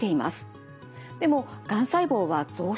でもがん細胞は増殖しません。